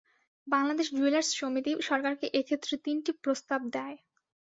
Bangladesh jewellers সমিতি সরকারকে এ ক্ষেত্রে তিনটি প্রস্তাব দেয়।